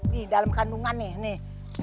di dalam kandungan nih